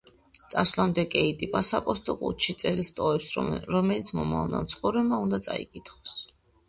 წასვლამდე, კეიტი საფოსტო ყუთში წერილს ტოვებს, რომელიც მომავალმა მცხოვრებმა უნდა წაიკითხოს.